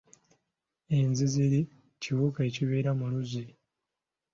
Enziiziiri kiwuka ekibeera mu luzzi.